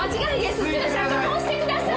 すぐ釈放してください！